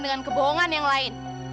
dengan kebohongan yang lain